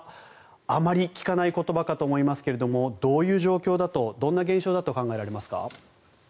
あまり聞かない言葉かと思いますけれどもどういう状況だとどんな現象だと考えられますか。